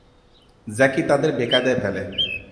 জ্যাকি তাদের বেকায়দায় ফেলে।